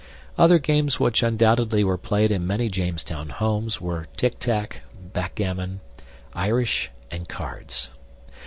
Other games which undoubtedly were played in many Jamestown homes were tick tack, backgammon, Irish, and cards.